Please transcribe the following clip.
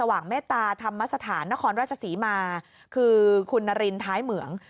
ว่างเมตตาธรรมสถานนครราชศรีมาคือคุณนารินท้ายเหมือง